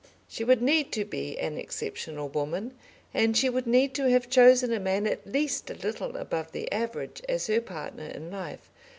She would need to be an exceptional woman, and she would need to have chosen a man at least a little above the average as her partner in life.